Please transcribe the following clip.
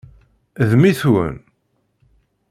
D mmi-twen?